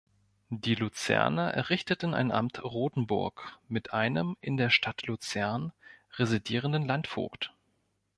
Die Luzerner errichteten ein Amt Rothenburg mit einem in der Stadt Luzern residierenden Landvogt.